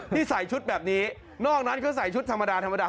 ใส่ชุดแบบนี้นอกนั้นก็ใส่ชุดธรรมดาธรรมดา